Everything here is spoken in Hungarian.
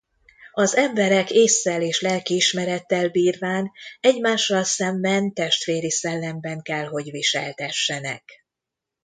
Az emberek, ésszel és lelkiismerettel bírván, egymással szemben testvéri szellemben kell hogy viseltessenek.